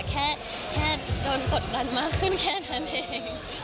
แค่โดนกดดันมากขึ้นแค่นั้นเอง